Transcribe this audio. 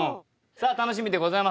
さあ楽しみでございます。